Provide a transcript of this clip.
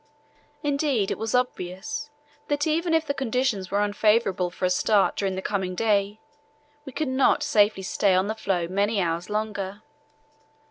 Indeed, it was obvious that even if the conditions were unfavourable for a start during the coming day, we could not safely stay on the floe many hours longer.